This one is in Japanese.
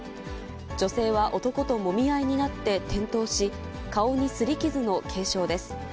女性は男ともみ合いになって転倒し、顔にすり傷の軽傷です。